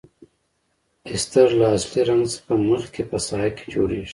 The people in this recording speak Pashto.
استر له اصلي رنګ څخه مخکې په ساحه کې جوړیږي.